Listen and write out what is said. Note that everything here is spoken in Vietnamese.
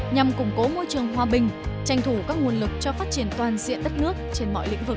nhằm củng cố môi trường hòa bình tranh thủ các nguồn lực cho phát triển toàn diện đất nước trên mọi lĩnh vực